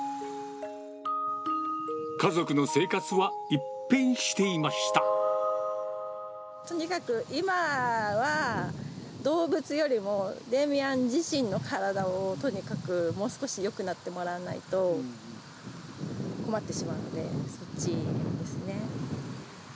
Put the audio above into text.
家族の生活は一変していましとにかく、今は動物よりもデミアン自身の体をとにかく、もう少しよくなってもらわないと、困ってしまうので、そっちですね。